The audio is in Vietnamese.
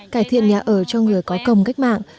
cải thiện nhà ở cho người có công cách mạng